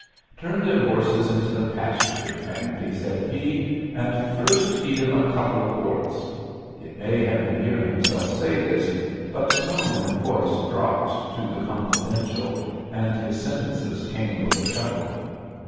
"Turn them horses into the pasture, Andy," said he, "and first feed 'em a couple of quarts." It may have been hearing himself say this, but tone and voice dropped to the confidential and his sentences came with a chuckle.